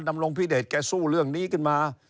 ดำรงพิเดชแกสู้เรื่องนี้ขึ้นมา